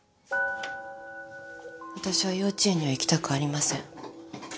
わたしは幼稚園には行きたくありません。